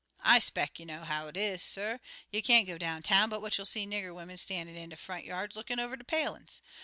"I 'speck you know how 'tis, suh. You can't go down town but what you'll see nigger wimmen stan'in' out in de front yards lookin' over de palin's.